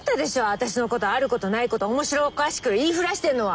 私のことあることないこと面白おかしく言いふらしてるのは！